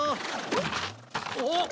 おっ！？